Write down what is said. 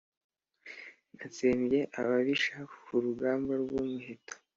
natsembye ababisha ku rugamba rw'umuheto.